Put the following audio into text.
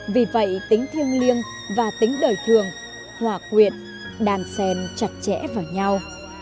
vì vậy tính thiêng liêng và tính đời thường hỏa quyện đàn sen chặt chẽ vào nhau